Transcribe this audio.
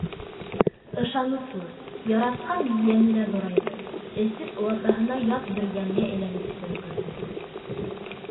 Ышаныслы, яратҡан ейәне лә ҙурайҙы, эсеп, олатаһына ят бер йәнгә әйләнеп тә өлгөрҙө.